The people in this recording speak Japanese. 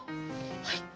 はい！